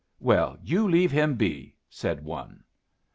"Well, you leave him be," said one.